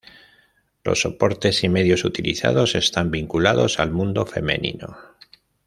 Los soportes y medios utilizados están vinculados al mundo femenino.